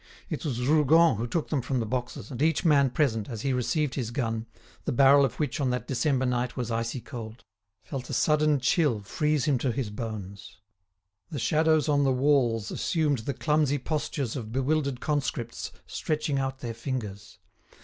It was Rougon who took them from the boxes, and each man present, as he received his gun, the barrel of which on that December night was icy cold, felt a sudden chill freeze him to his bones. The shadows on the walls assumed the clumsy postures of bewildered conscripts stretching out their fingers.